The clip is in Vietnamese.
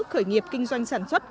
khởi nghiệp kinh doanh sản xuất